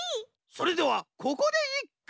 それではここでいっく。